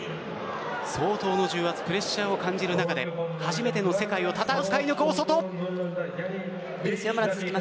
相当の重圧プレッシャーを感じる中で初めての世界を戦い抜く。